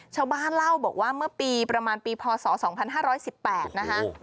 ชาวบ้านเล่าบอกว่าเมื่อปีประมาณปีพศ๒๕๑๘นะคะ